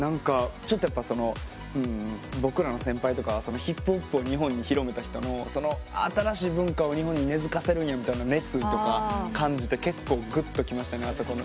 ちょっとやっぱ僕らの先輩とかヒップホップを日本に広めた人の新しい文化を日本に根づかせるんやみたいな熱意とか感じて結構グッときましたね。